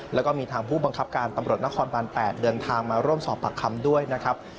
แล้วก็มีทางผู้บังคับการตำรวจนครบาน๘เดินทางมาร่วมสอบปากคำด้วยนะครับ